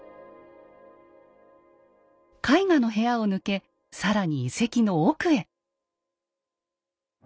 絵画の部屋を抜け更に遺跡の奥へ。